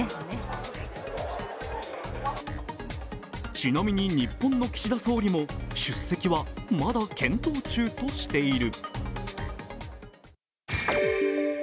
ちなみに日本の岸田総理も出席はまだ検討中としている。